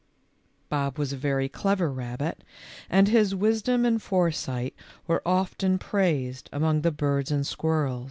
Bob was a very clever rabbit and his wisdom and foresight were often praised among the birds and squirrels.